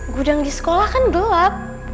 gudang di sekolah kan gelap